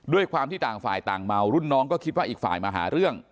ด้วยความที่ต่างฝ่ายต่างเมารุ่นน้องก็คิดว่าอีกฝ่ายมาหาเรื่อง